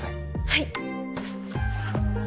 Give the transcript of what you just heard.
はい。